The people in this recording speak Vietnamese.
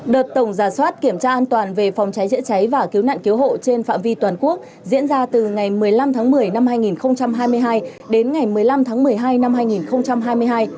đợt tổng giả soát kiểm tra an toàn về phòng cháy chữa cháy và cứu nạn cứu hộ trên phạm vi toàn quốc diễn ra từ ngày một mươi năm tháng một mươi năm hai nghìn hai mươi hai đến ngày một mươi năm tháng một mươi hai năm hai nghìn hai mươi hai